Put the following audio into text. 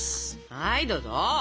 はいどうぞ。